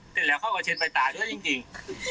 เสร็จแล้วเขาก็เช็ดไฟตายด้วยจริง